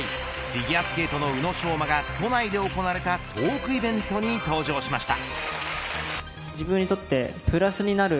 フィギュアスケートの宇野昌磨が都内で行われたトークイベントに登場しました。